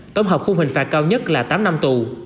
tổng hợp khung hình phạt cao nhất là tám năm tù